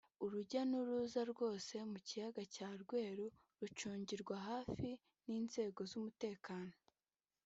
urujya n’uruza rwose mu Kiyaga cya Rweru rucungirwa hafi n’inzego z’umutekano